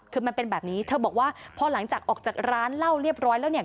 คือมันเป็นแบบนี้เธอบอกว่าพอหลังจากออกจากร้านเหล้าเรียบร้อยแล้วเนี่ย